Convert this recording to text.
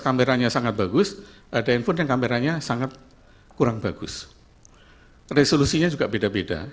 kameranya sangat bagus ada info dan kameranya sangat kurang bagus resolusinya juga beda beda